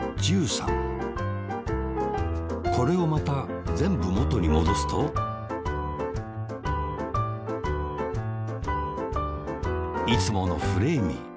これをまたぜんぶもとにもどすといつものフレーミー。